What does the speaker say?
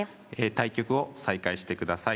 対局を再開してください。